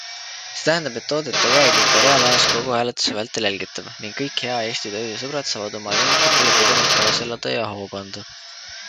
See tähendab, et toodete käekäik on reaalajas kogu hääletuse vältel jälgitav ning kõik hea Eesti toidu sõbrad saavad oma lemmikutele pidevalt kaasa elada ja hoogu anda.